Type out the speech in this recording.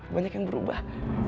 banyak yang berubah